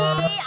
aduh kaki itu